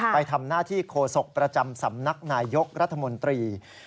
ไปทำหน้าที่โคศกประจำสำนักนายยกรัฐมนตรี